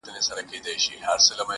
o ازمايښت اول په کال و، اوس په گړي دئ.